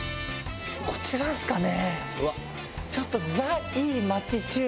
こちらですかね？